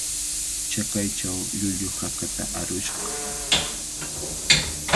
Chakaychaw llullu hakata harushqa